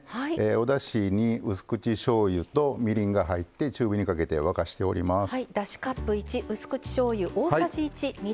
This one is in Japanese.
おだしにうす口しょうゆとみりんが入って中火にかけて沸かしております。